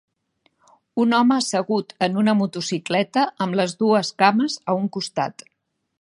Un home assegut en una motocicleta amb les dues cames a un costat.